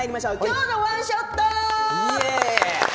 「きょうのワンショット」。